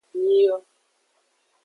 Nyijo.